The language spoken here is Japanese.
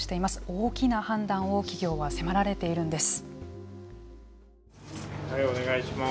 大きな判断を企業は迫られているんです。